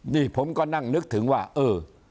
นี่ผมก็นั่งนึกถึงว่าเออ